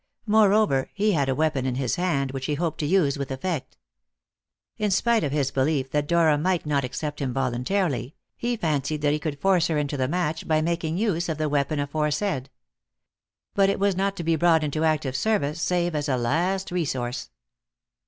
Moreover, he had a weapon in his hand which he hoped to use with effect. In spite of his belief that Dora might not accept him voluntarily, he fancied that he could force her into the match by making use of the weapon aforesaid. But it was not to be brought into active service save as a last resource.